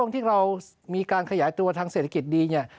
ที่เรามีการขยายตัวทางเศรษฐกิจดีเนี่ย